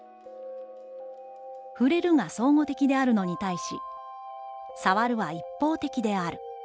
「『ふれる』が相互的であるのに対し、『さわる』は一方的である。